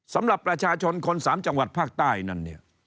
สำหรับประชาชนคนสามจังหวัดภาคใต้นั้นเนี่ย